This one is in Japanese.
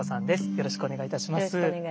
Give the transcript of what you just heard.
よろしくお願いします。